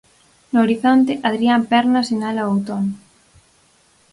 No horizonte, Hadrián Pernas sinala o outono.